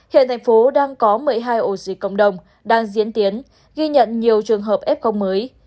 hiện thành phố đang có một mươi hai ổ dịch cộng đồng đang diễn tiến ghi nhận nhiều trường hợp f mới